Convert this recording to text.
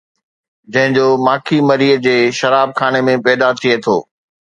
جنهن جو ماکي مري جي شراب خاني ۾ پيدا ٿئي ٿو.